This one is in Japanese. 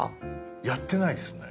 やってないですね。